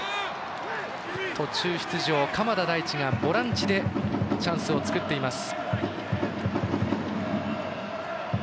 途中出場、鎌田大地がボランチでチャンスを作っています。